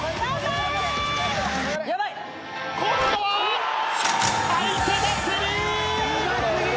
今度は相手がスリー！